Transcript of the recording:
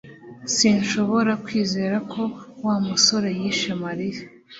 Sinshobora kwizera ko Wa musore yishe Mariya